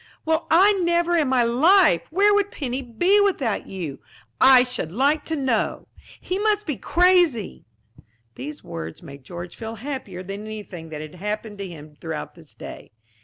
Well, I never in my life! Where would Penny be without you, I should like to know! He must be crazy." These words made George feel happier than anything that had happened to him throughout this day.